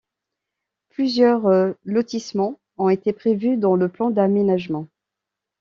Plusieurs lotissements ont été prevus dans le plan d'aménagement.